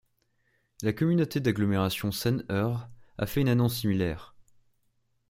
La Communauté d'agglomération Seine-Eure a fait une annonce similaire.